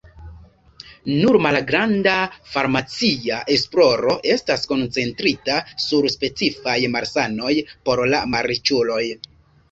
Nur malgranda farmacia esploro estas koncentrita sur specifaj malsanoj por la malriĉuloj.